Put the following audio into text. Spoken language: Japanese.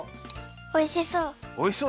おいしそう！